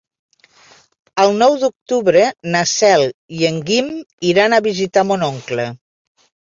El nou d'octubre na Cel i en Guim iran a visitar mon oncle.